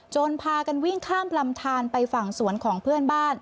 พากันวิ่งข้ามลำทานไปฝั่งสวนของเพื่อนบ้าน